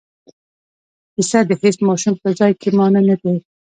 کیسه د هیڅ ماشوم په ځای کې مانع نه دی.